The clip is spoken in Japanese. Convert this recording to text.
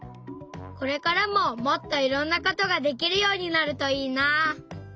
これからももっといろんなことができるようになるといいな！